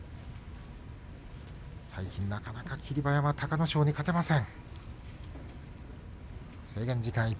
なかなか霧馬山は隆の勝に勝てません。